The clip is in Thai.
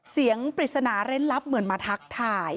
เสียงปริศนาเล่นลับเหมือนมาทักถ่าย